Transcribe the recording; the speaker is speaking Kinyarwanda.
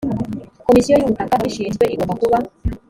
komisiyo y ubutaka ibishinzwe igomba kuba